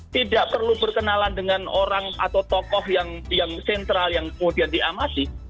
tidak perlu berkenalan dengan orang atau tokoh yang sentral yang kemudian diamati